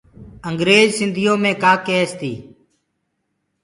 انٚگريج سنٚڌيو مي ڪآ ڪيس تيٚ